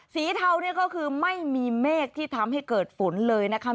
เทาเนี่ยก็คือไม่มีเมฆที่ทำให้เกิดฝนเลยนะคะ